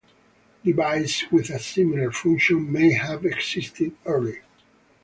Devices with a similar function may have existed earlier.